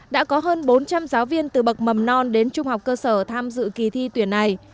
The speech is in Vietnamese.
đã có hơn bốn trăm linh giáo viên từ bậc mầm non đến trung học cơ sở tham dự kỳ thi tuyển này